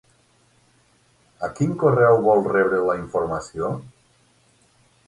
A quin correu vol rebre la informació?